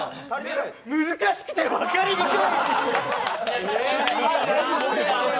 難しくて分かりません！